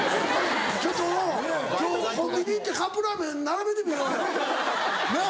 ちょっと今日コンビニ行ってカップラーメン並べてみようよ。ねぇ！